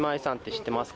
知ってます。